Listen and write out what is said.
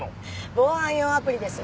防犯用アプリです。